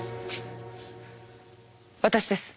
私です。